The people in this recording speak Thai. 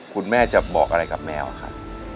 คุณแม่จะบอกอะไรกับแมวครับ